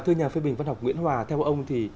thưa nhà phê bình văn học nguyễn hòa theo ông thì